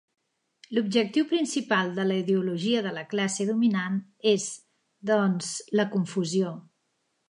L'objectiu principal de la ideologia de la classe dominant és, doncs, la confusió.